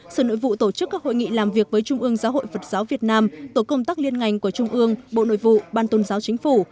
sở nội vụ tổ chức các hội nghị làm việc với trung ương giáo hội phật giáo việt nam tổ công tác liên ngành của trung ương bộ nội vụ ban tôn giáo chính phủ